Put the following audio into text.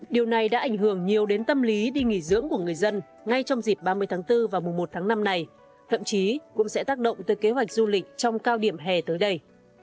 điều này đã ảnh hưởng nhiều đến tâm lý đi nghỉ dưỡng của người dân ngay trong dịp ba mươi tháng bốn và mùa một tháng năm này thậm chí cũng sẽ tác động tới kế hoạch du lịch trong cao điểm hè tới đây